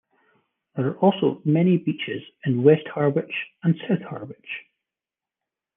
There are also many beaches in West Harwich and South Harwich.